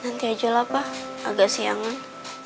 nanti aja lola apa agaksiangan